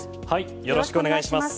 よろしくお願いします。